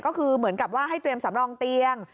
ก็คือเหมือนกับว่าให้เตรียมสำรองเตียง